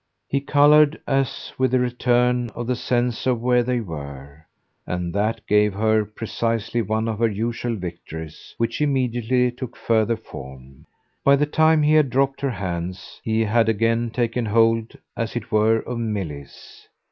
He coloured as with a return of the sense of where they were, and that gave her precisely one of her usual victories, which immediately took further form. By the time he had dropped her hands he had again taken hold, as it were, of Milly's.